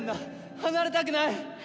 離れたくない！